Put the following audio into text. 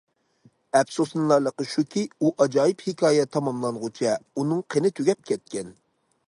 ئەپسۇسلىنارلىقى شۇكى، ئۇ ئاجايىپ ھېكايە تاماملانغۇچە، ئۇنىڭ قېنى تۈگەپ كەتكەن.